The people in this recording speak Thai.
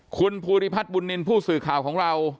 คุณภูริพัฒน์บุญนินทร์ผู้สื่อข่าวของเรา